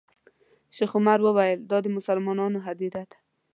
شیخ عمر وویل دا د مسلمانانو هدیره ده.